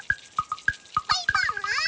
バイバーイ！